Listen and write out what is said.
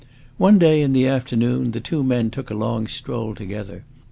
One day, in the afternoon, the two young men took a long stroll together.